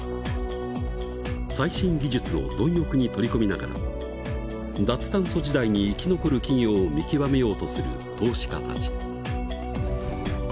最新技術を貪欲に取り込みながら脱炭素時代に生き残る企業を見極めようとする投資家たち。